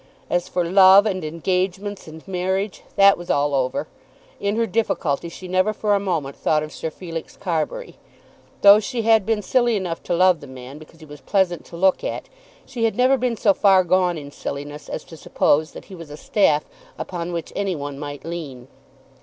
As for love, and engagements, and marriage, that was all over. In her difficulty she never for a moment thought of Sir Felix Carbury. Though she had been silly enough to love the man because he was pleasant to look at, she had never been so far gone in silliness as to suppose that he was a staff upon which any one might lean.